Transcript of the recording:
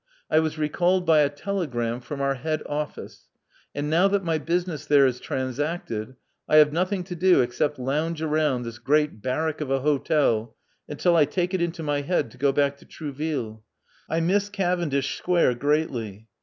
I was recalled by a telegram from our head office ; and now that my business there is transacted, I have nothing to do except lounge around this great barrack of a hotel until I take it into my head to go back to Trouville. I miss Cavendish Square greatly.